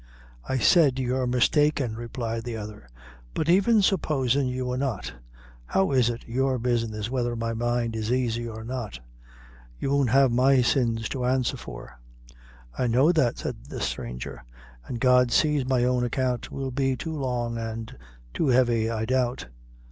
"I said you're mistaken," replied the other; "but even supposin' you wor not, how is it your business whether my mind is aisy or not? You won't have my sins to answer for." "I know that," said the stranger; "and God sees my own account will be too long and too heavy, I doubt.